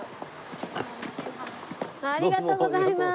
ありがとうございます。